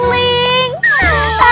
bagus banget warnanya